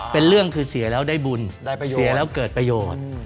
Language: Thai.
เป็นเรื่องคือเสียแล้วได้บุญเสียแล้วเกิดประโยชน์